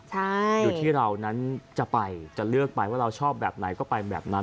อยู่ที่เรานั้นจะไปจะเลือกไปว่าเราชอบแบบไหนก็ไปแบบนั้น